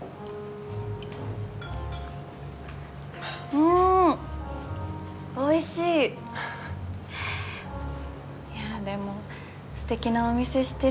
うんおいしいいやでもすてきなお店知ってるんですね